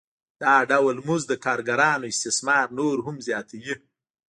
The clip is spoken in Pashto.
دا ډول مزد د کارګرانو استثمار نور هم زیاتوي